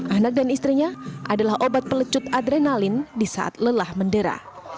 anak dan istrinya adalah obat pelecut adrenalin di saat lelah mendera